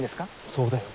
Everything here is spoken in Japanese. そうだよ。